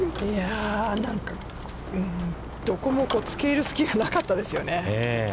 なんか、どこもつけいる隙がなかったですよね。